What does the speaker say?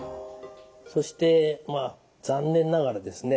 そして残念ながらですね